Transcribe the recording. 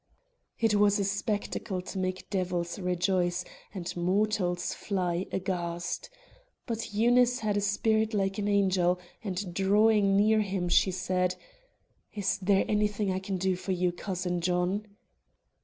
It was a spectacle to make devils rejoice, and mortals fly aghast. But Eunice had a spirit like an angel and drawing near him, she said: "Is there anything I can do for you, Cousin John?"